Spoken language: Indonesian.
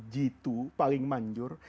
jitu paling manjur